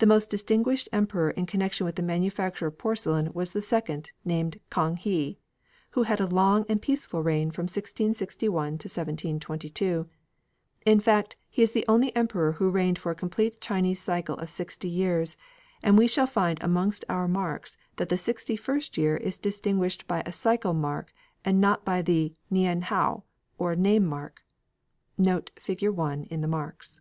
The most distinguished Emperor in connection with the manufacture of porcelain was the second, named Kang he, who had a long and peaceful reign from 1661 to 1722; in fact, he is the only Emperor who reigned for a complete Chinese cycle of sixty years, and we shall find amongst our marks that the sixty first year is distinguished by a cycle mark and not by the "nien hao," or name mark. Note Fig. 1 in the marks.